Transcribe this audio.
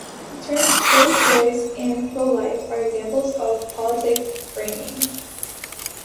The terms "pro-choice" and "pro-life" are examples of political framing.